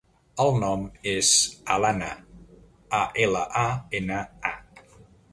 El nom és Alana: a, ela, a, ena, a.